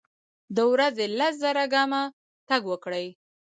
د ورځي لس زره ګامه تګ وکړئ.